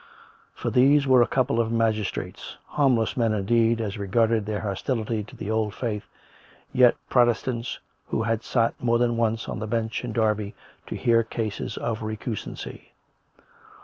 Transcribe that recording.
For these were a couple of magistrates — harmless men, indeed, as regarded their hos tility to the old Faith — yet Protestants who had sat more than once on the bench in Derby to hear cases of recusancy.